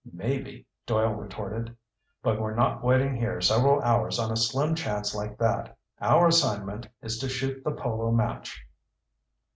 "Maybe," Doyle retorted. "But we're not waiting here several hours on a slim chance like that! Our assignment is to shoot the polo match."